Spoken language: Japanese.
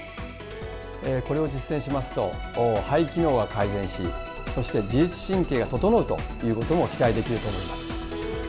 これを実践しますと、肺機能が改善し、そして自律神経が整うということも期待できると思います。